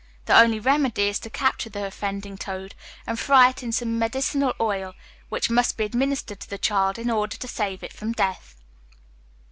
The only remedy is to capture the offending toad, and fry it in some medicinal oil, which must be administered to the child in order to save it from death.